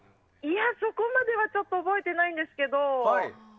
そこまではちょっと覚えてないんですけど。